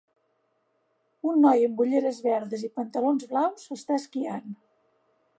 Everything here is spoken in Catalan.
Un noi amb ulleres verdes i pantalons blaus està esquiant.